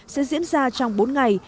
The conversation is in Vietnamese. sẽ diễn ra trong bốn ngày